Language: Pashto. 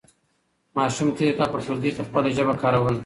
ماشوم تېر کال په ټولګي کې خپله ژبه کاروله.